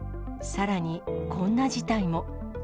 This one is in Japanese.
さらに、こんな事態も。